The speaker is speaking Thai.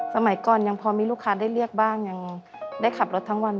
สมัยก่อนยังพอมีลูกค้าได้เรียกบ้างยังได้ขับรถทั้งวัน